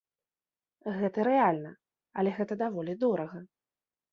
Гэта рэальна, але гэта даволі дорага.